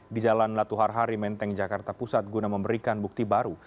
di jalan latuharhari menteng jakarta pusat guna memberikan bukti baru